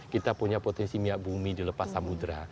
kita punya potensi minyak bumi dilepas samudera